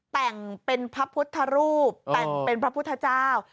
แต่งเป็นพระพุทธรูปแต่งเป็นพระพุทธเจ้า